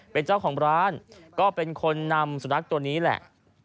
เป็นเจ้าของร้านก็เป็นคนนำสุนัขตัวนี้แหละ